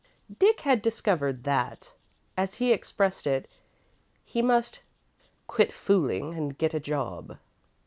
Dick had discovered that, as he expressed it, he must "quit fooling and get a job."